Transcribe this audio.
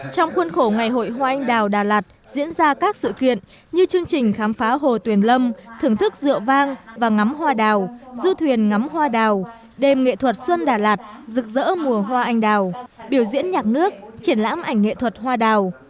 trong khuôn khổ ngày hội hoa anh đào đà lạt diễn ra các sự kiện như chương trình khám phá hồ tuyền lâm thưởng thức rượu vang và ngắm hoa đào du thuyền ngắm hoa đào đêm nghệ thuật xuân đà lạt rực rỡ mùa hoa anh đào biểu diễn nhạc nước triển lãm ảnh nghệ thuật hoa đào